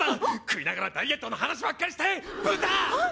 食いながらダイエットの話ばっかりして豚！